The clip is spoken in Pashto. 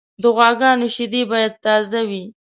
د غواګانو شیدې باید تازه وي.